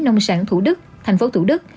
nông sản thủ đức thành phố thủ đức